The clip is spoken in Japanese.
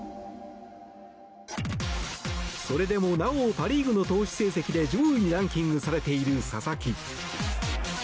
それでもなおパ・リーグの投手成績で上位にランキングされている佐々木。